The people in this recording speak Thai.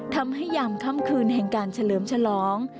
ยามค่ำคืนแห่งการเฉลิมฉลอง